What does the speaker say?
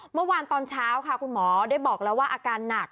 เมื่อวานตอนเช้าค่ะคุณหมอได้บอกแล้วว่าอาการหนัก